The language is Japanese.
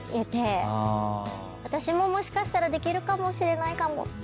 私ももしかしたらできるかもしれないかもって思えたのは。